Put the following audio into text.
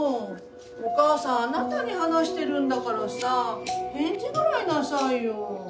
お母さんあなたに話してるんだからさ返事ぐらいなさいよ。